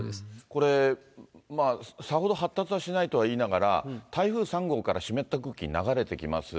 これ、さほど発達はしないとはいいながら、台風３号から湿った空気が流れてきます。